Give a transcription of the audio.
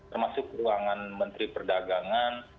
termasuk ruangan menteri perdagangan